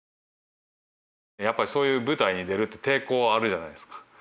やっぱりそういう舞台に出るって抵抗あるじゃないですか。